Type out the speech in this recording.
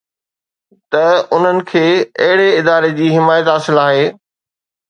ته انهن کي اهڙي اداري جي حمايت حاصل آهي